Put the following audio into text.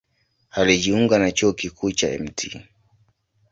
Alijiunga na Chuo Kikuu cha Mt.